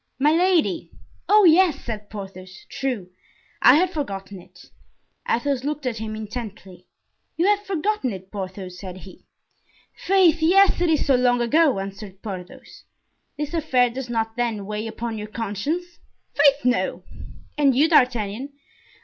"Milady." "Oh, yes!" said Porthos; "true, I had forgotten it!" Athos looked at him intently. "You have forgotten it, Porthos?" said he. "Faith! yes, it is so long ago," answered Porthos. "This affair does not, then, weigh upon your conscience?" "Faith, no." "And you, D'Artagnan?"